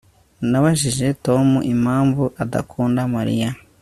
Nabajije Tom impamvu adakunda Mariya